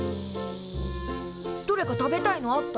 どれか食べたいのあった？